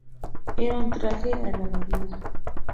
Era un traje a la medida.